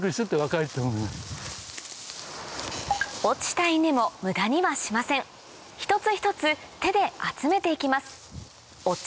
落ちた稲も無駄にはしません一つ一つ手で集めていきます